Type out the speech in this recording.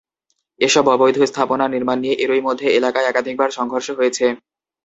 এসব অবৈধ স্থাপনা নির্মাণ নিয়ে এরই মধ্যে এলাকায় একাধিকবার সংঘর্ষ হয়েছে।